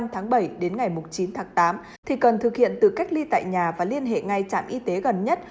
tháng bảy đến ngày một mươi chín tháng tám thì cần thực hiện từ cách ly tại nhà và liên hệ ngay trạm y tế gần nhất